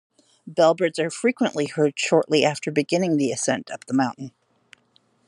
Bellbirds are frequently heard shortly after beginning the ascent up the mountain.